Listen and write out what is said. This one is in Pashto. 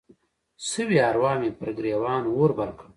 سوي اروا مې پر ګریوان اور بل کړ